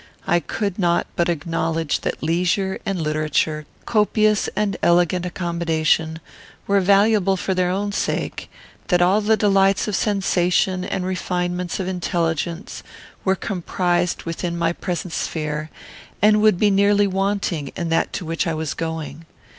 I could not but acknowledge that leisure and literature, copious and elegant accommodation, were valuable for their own sake; that all the delights of sensation and refinements of intelligence were comprised within my present sphere, and would be nearly wanting in that to which I was going.